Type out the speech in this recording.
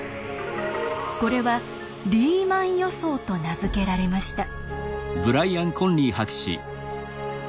これは「リーマン予想」と名付けられました。